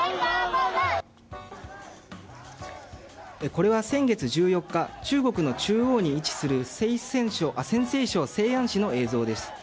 これは先月１４日中国の中央に位置する陝西省西安市の映像です。